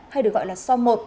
hay được gọi là so một